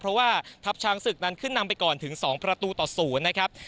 เพราะว่าทัพช้างศึกนั้นขึ้นนำไปก่อนถึง๒ประตูต่อ๐นะครับ